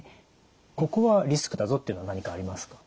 ここはリスクだぞというのは何かありますか？